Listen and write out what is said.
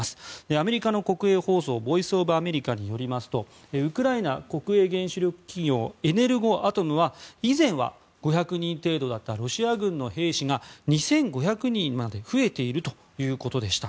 アメリカの国営放送ボイス・オブ・アメリカによりますとウクライナ国営原子力企業エネルゴアトムは以前は５００人程度だったロシア軍の兵士が２５００人まで増えているということでした。